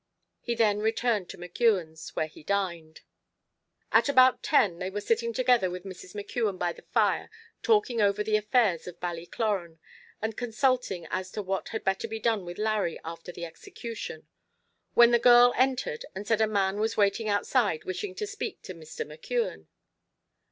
He then returned to McKeon's, where he dined. At about ten they were sitting together with Mrs. McKeon by the fire talking over the affairs of Ballycloran, and consulting as to what had better be done with Larry after the execution, when the girl entered and said a man was waiting outside wishing to speak to Mr. McKeon.